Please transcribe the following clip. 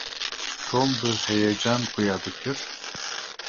Tom bi heyecan xuya dikir.